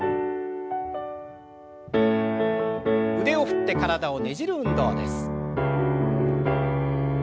腕を振って体をねじる運動です。